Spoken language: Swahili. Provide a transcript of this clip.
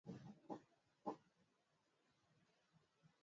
mbili saba saba saba tisa